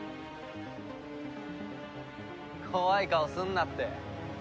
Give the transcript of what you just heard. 怖い顔すんなって。